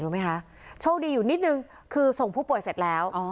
รู้ไหมคะโชคดีอยู่นิดนึงคือส่งผู้ป่วยเสร็จแล้ว